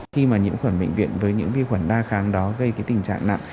khi mà nhiễm khuẩn bệnh viện với những vi khuẩn đa kháng đó gây tình trạng nặng